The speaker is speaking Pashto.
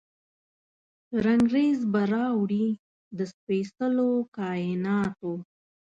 رنګریز به راوړي، د سپیڅلو کائیناتو،